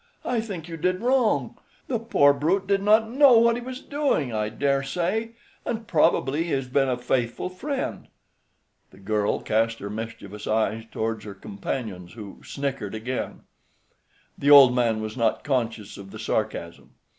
I think you did wrong. The poor brute did not know what he was doing, I dare say, and probably he has been a faithful friend." The girl cast her mischievous eyes towards her companions, who snickered again. The old man was not conscious of the sarcasm.